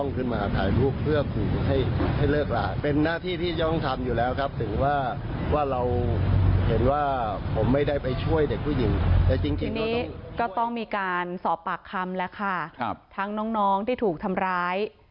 ทีนี้ก็ต้องมีการสอบปากคำแล้วค่ะทั้งน้องที่ถูกทำร้าย